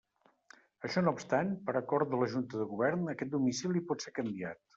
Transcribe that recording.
Això no obstant, per acord de la Junta de Govern, aquest domicili pot ser canviat.